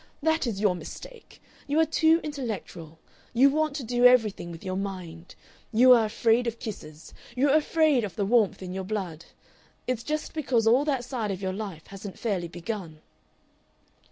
That is your mistake! You are too intellectual. You want to do everything with your mind. You are afraid of kisses. You are afraid of the warmth in your blood. It's just because all that side of your life hasn't fairly begun."